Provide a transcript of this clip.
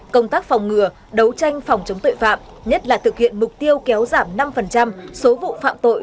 công tác phòng ngừa đấu tranh phòng chống tội phạm nhất là thực hiện mục tiêu kéo giảm năm số vụ phạm tội